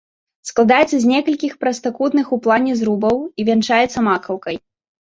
Складаецца з некалькіх прастакутных у плане зрубаў, і вянчаецца макаўкай.